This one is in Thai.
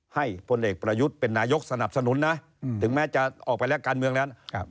พลเอกประยุทธ์เป็นนายกสนับสนุนนะถึงแม้จะออกไปแล้วการเมืองนั้น